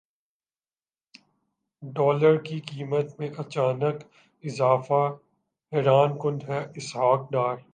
dollar کی قیمت میں اچانک اضافہ حیران کن ہے اسحاق ڈار